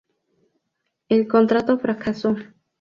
El contrato fracasó.